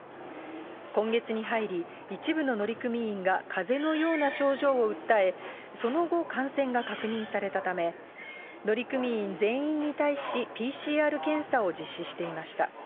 今月に入り、一部の乗組員がかぜのような症状を訴え、その後、感染が確認されたため、乗組員全員に対しＰＣＲ検査を実施していました。